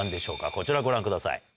こちらをご覧ください。